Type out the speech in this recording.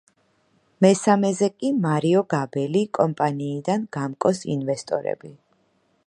მესამეზე კი – მარიო გაბელი კომპანიიდან „გამკოს ინვესტორები“.